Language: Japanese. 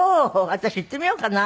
私行ってみようかな。